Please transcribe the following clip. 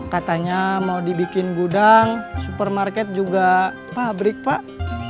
katanya mau dibikin gudang supermarket juga pabrik pak